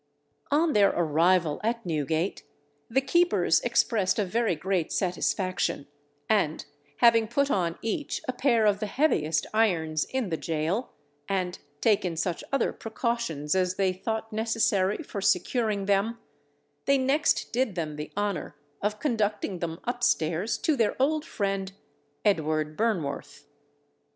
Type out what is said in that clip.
On their arrival at Newgate, the keepers expressed a very great satisfaction, and having put on each a pair of the heaviest irons in the gaol, and taken such other precautions as they thought necessary for securing them, they next did them the honour of conducting them upstairs to their old friend Edward Burnworth.